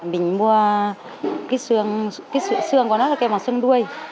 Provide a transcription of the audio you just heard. mình mua cái xương của nó là cái bọt xương đuôi